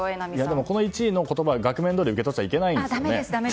でもこの１位の言葉は額面どおり受け取っちゃいけないんですよね。